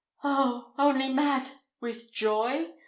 "Oh! only mad—with joy?"